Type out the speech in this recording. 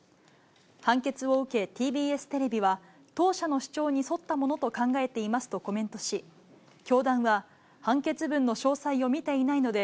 判決を受け、ＴＢＳテレビは当社の主張に沿ったものと考えていますとコメントし、教団は、判決文の詳細を見ていないので、